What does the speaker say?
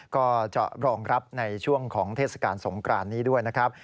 ก็จะรองรับในช่วงของเทศกาลสงกรานนี้ด้วยนะครับ